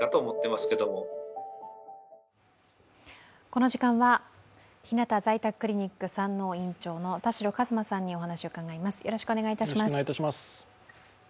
この時間はひなた在宅クリニック山王院長の田代和馬さんにお話を伺います。